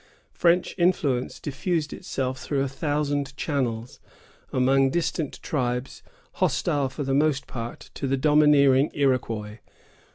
French influence diffused itself through a thousand channels, among distant tribes, hostile, for the most part, to the domineering Iroquois.